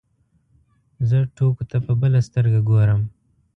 زه ټوکو ته په بله سترګه ګورم.